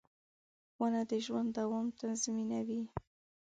• ونه د ژوند دوام تضمینوي.